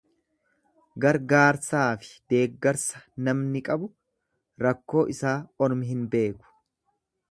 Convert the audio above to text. Gargaarsaafi deeggarsa namni qabu rakkoo isaa ormi hin beeku.